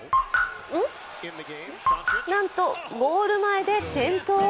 なんと、ゴール前で転倒。